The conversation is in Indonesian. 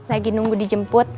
lagi nunggu dijemput